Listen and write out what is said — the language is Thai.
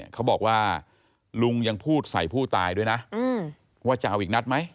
เขาบอกว่าลุงยังพูดใส่ผู้ตายด้วยนะว่าจะเอาอีกนัดไหม